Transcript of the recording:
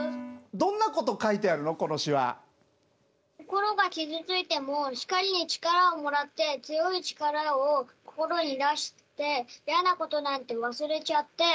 心が傷ついても光に力をもらって強い力を心に出してやなことなんて忘れちゃって。